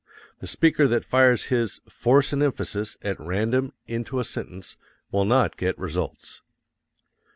The speaker that fires his force and emphasis at random into a sentence will not get results.